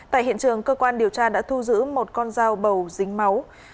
tại hiện trường cơ quan điều tra đã thu giữ một con dao bầu dính máu